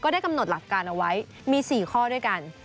ได้กำหนดหลักการเอาไว้มี๔ข้อด้วยกัน